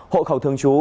hộ khẩu thường trú